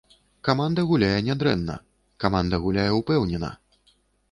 Каманда гуляе нядрэнна, каманда гуляе ўпэўнена.